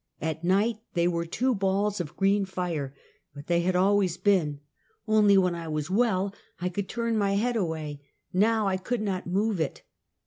At night they were two balls of green fire; but they had always been, only when I was well I could turn my head away, now I could not move it.